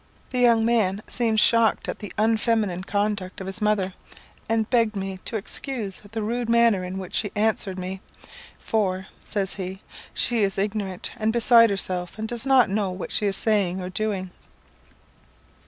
The young man seemed shocked at the unfeminine conduct of his mother, and begged me to excuse the rude manner in which she answered me; 'for,' says he, 'she is ignorant and beside herself, and does not know what she is saying or doing.'